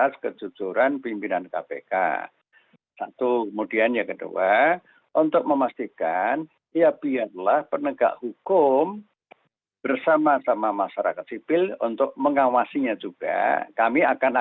surat perintah penyelidikan